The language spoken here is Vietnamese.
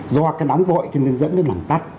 do cái nóng vội thì nó dẫn đến làm tắt